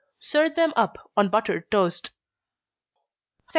Serve them up on buttered toast. 113.